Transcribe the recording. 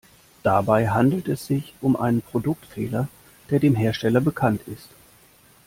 Dabei handelt es sich um einen Produktfehler, der dem Hersteller bekannt ist.